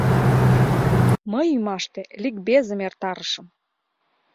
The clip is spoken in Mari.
Мый ӱмаште ликбезым эртарышым.